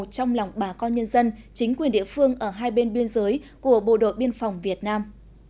trong lòng bà con nhân dân chính quyền địa phương ở hai bên biên giới của bộ đội biên phòng việt nam